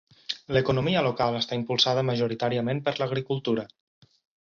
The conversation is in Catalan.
L'economia local està impulsada majoritàriament per l'agricultura.